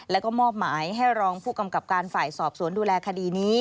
แล้วก็มอบหมายให้รองผู้กำกับการฝ่ายสอบสวนดูแลคดีนี้